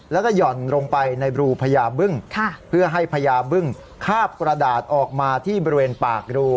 แล้วก็หย่อนลงไปในบรูพญาบึ้งเพื่อให้พญาบึ้งคาบกระดาษออกมาที่บริเวณปากรู